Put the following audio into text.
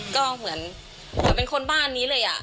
ก็เหมือนเป็นคนบ้านนี้เลย